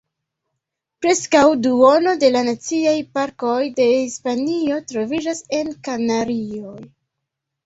Preskaŭ duono de la Naciaj Parkoj de Hispanio troviĝas en Kanarioj.